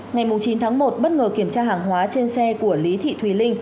ngày chín tháng một bất ngờ kiểm tra hàng hóa trên xe của lý thị thùy linh